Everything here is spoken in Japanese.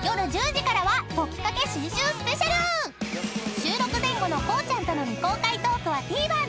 ［収録前後のこうちゃんとの未公開トークはＴＶｅｒで配信］